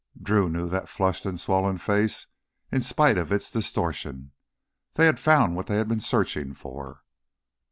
Drew knew that flushed and swollen face in spite of its distortion; they had found what they had been searching for.